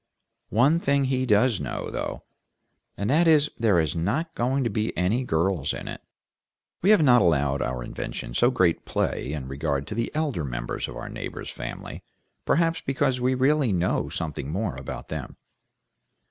One thing he does know, though, and that is there are not going to be any girls in it. We have not allowed our invention so great play in regard to the elder members of our neighbor's family perhaps because we really know something more about them.